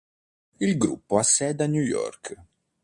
Il gruppo ha sede a New York.